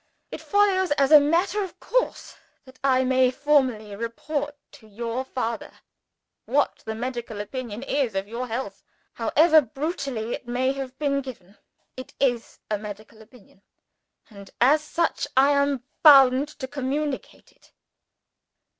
It follows as a matter of course that I may formally report to your father what the medical opinion is of your health. However brutally it may have been given, it is a medical opinion and as such I am bound to communicate it."